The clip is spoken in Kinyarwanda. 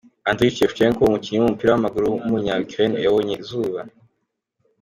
Andriy Shevchenko, umukinnyi w’umupira w’amaguru w’umunya-Ukraine yabonye izuba.